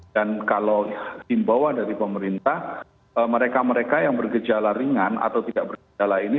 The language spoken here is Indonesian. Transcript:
dan kalau dibawa dari pemerintah mereka mereka yang bergejala ringan atau tidak bergejala ini